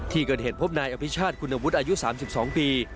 ที่เกิดเหตุพบนายอภิชาติคุณวุฒิอายุ๓๒ปี